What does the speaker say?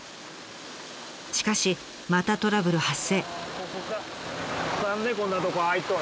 しかしまたトラブル発生。